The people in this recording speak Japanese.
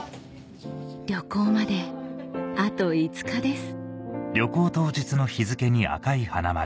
旅行まであと５日です